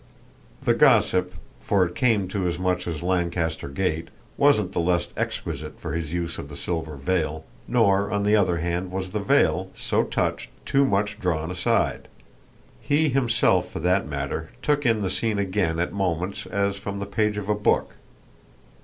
The gossip for it came to as much at Lancaster Gate wasn't the less exquisite for his use of the silver veil, nor on the other hand was the veil, so touched, too much drawn aside. He himself for that matter took in the scene again at moments as from the page of a book.